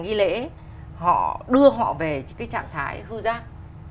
nghi lễ họ đưa họ về cái trạng thái hư giác